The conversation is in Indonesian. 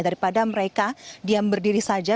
daripada mereka diam berdiri saja